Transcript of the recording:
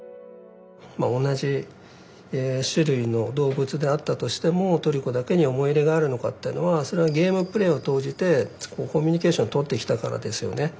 まあ同じ種類の動物であったとしてもトリコだけに思い入れがあるのかってのはそれはゲームプレイを通じてコミュニケーションをとってきたからですよね。